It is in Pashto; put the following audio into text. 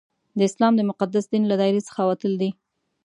د اسلام د مقدس دین له دایرې څخه وتل دي.